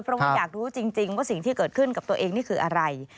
เพราะว่าอยากรู้จริงว่าสิ่งที่เกิดขึ้นกับตัวเองนี่คืออะไร